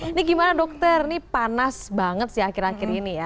ini gimana dokter ini panas banget sih akhir akhir ini ya